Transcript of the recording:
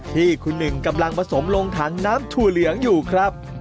ที่คุณหนึ่งกำลังผสมลงถังน้ำถั่วเหลืองอยู่ครับ